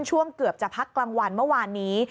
เกือบจะพักกลางวันเมื่อวานนี้